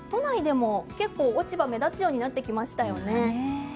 都内でも結構、落ち葉が目立つようになってきましたよね。